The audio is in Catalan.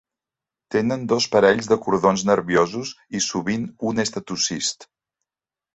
Tenen dos parells de cordons nerviosos i sovint un estatocist.